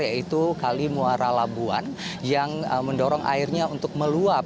yaitu kali muara labuan yang mendorong airnya untuk meluap